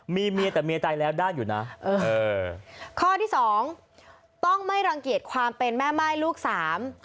มีเมียแต่เมียตายแล้วได้อยู่นะเออเออข้อที่สองต้องไม่รังเกียจความเป็นแม่ม่ายลูกสาม